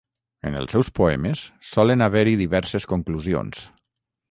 En els seus poemes solen haver-hi diverses conclusions.